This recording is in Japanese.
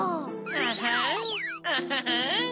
アハンアハハン。